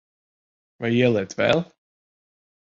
Vai ieliet vēl?